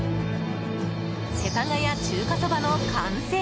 世田谷中華そばの完成。